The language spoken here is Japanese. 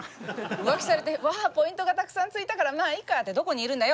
浮気されて「うわあポイントがたくさん付いたからまあいいか」ってどこにいるんだよ！？